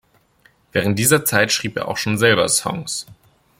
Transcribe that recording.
Während dieser Zeit schrieb er auch schon selber Songs.